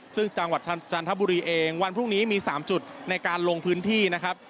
ซึ่งจังหวัดจันทบุรีเองวันพรุ่งนี้มี๓จุดในการลงพื้นที่นะครับ